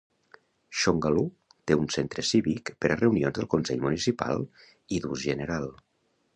Shongaloo té un centre cívic per a reunions dels consell municipal i d'ús general.